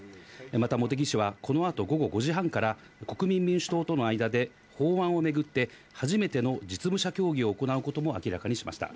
また茂木氏は、このあと午後５時半から、国民民主党との間で法案を巡って初めての実務者協議を行うことも明らかにしました。